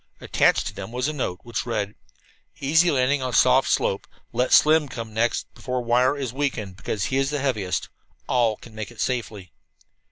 Attached to them was a note, which read: "Easy landing on soft slope. Let Slim come next before wire is weakened, because he is the heaviest. All can make it safely."